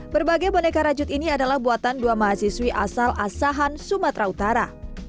berbagai boneka rajut ini adalah buatan dua mahasiswi asal asahan sumatera utara